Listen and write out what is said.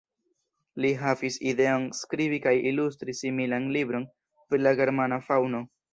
Li havis la ideon skribi kaj ilustri similan libron pri la germana faŭno.